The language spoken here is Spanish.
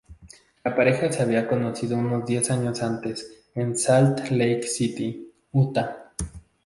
La pareja se había conocido unos diez años antes en Salt Lake City, Utah.